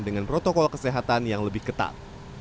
dengan protokol kesehatan yang lebih ketat